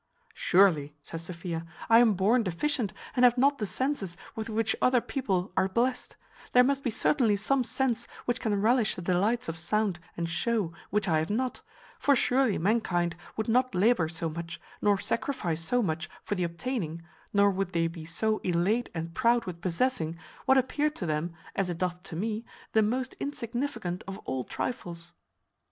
"Surely," says Sophia, "I am born deficient, and have not the senses with which other people are blessed; there must be certainly some sense which can relish the delights of sound and show, which I have not; for surely mankind would not labour so much, nor sacrifice so much for the obtaining, nor would they be so elate and proud with possessing, what appeared to them, as it doth to me, the most insignificant of all trifles."